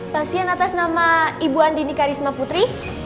pasien atas nama ibu andini karisma putri